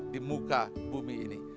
di muka bumi ini